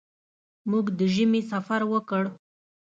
موږ د ژمي سفر وکړ.